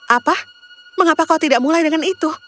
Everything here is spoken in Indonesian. apa mengapa kau tidak mulai dengan itu